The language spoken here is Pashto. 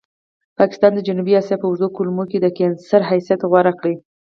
پاکستان د جنوبي اسیا په اوږدو کولمو کې د کېنسر حیثیت غوره کړی.